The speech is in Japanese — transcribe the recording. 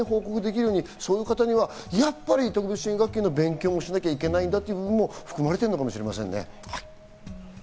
早めに報告できるように、そういう方には特別支援学級の勉強もしなきゃいけないんだということも含まれているかもしれませんね。